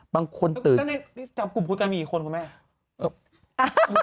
บางคนตื่นแล้วนี่จับกลุ่มพูดกันกี่คนครับคุณแม่